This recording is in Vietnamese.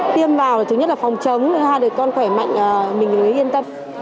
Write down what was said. tiêm vào thì thứ nhất là phòng chống hai đứa con khỏe mạnh mình cũng yên tâm